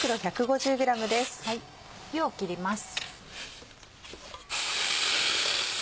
湯を切ります。